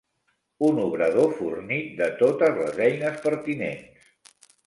Un obrador fornit de totes les eines pertinents.